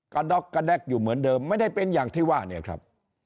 ด๊อกกระแด๊กอยู่เหมือนเดิมไม่ได้เป็นอย่างที่ว่าเนี่ยครับ